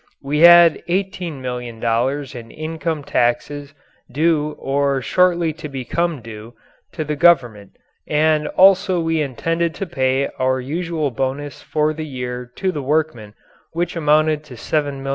We had $18,000,000 in income taxes due or shortly to become due to the Government, and also we intended to pay our usual bonus for the year to the workmen, which amounted to $7,000,000.